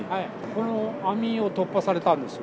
この網を突破されたんです。